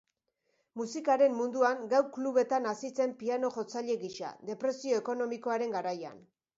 Musikaren munduan gau-klubetan hasi zen piano-jotzaile gisa, depresio ekonomikoaren garaian.